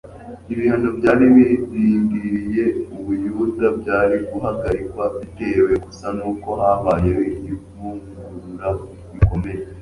ibihano byari birindiriye ubuyuda byari guhagarikwa bitewe gusa n'uko habayeho ivugurura rikomeye